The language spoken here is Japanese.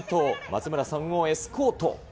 松村さんをエスコート。